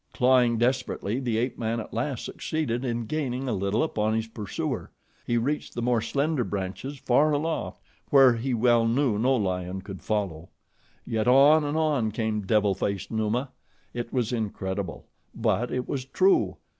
Clawing desperately, the ape man at last succeeded in gaining a little upon his pursuer. He reached the more slender branches far aloft where he well knew no lion could follow; yet on and on came devil faced Numa. It was incredible; but it was true.